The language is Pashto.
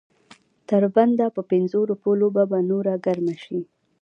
د تر بنده په پنځو روپو لوبه به نوره ګرمه شي.